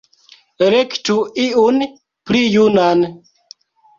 Elektu iun pli junan!".